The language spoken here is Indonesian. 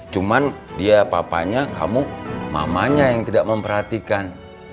cuman dia papanya kamu mamanya yang tidak memperhatikan